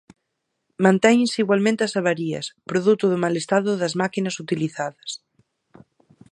Mantéñense igualmente as avarías, produto do mal estado das máquinas utilizadas.